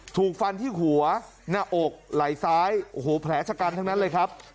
ถูกฟันที่หัวหน้าอกไหล่ซ้ายโอ้โหแผลชะกันทั้งนั้นเลยครับ